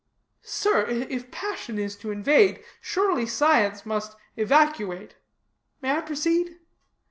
"Sir, if passion is to invade, surely science must evacuate. May I proceed?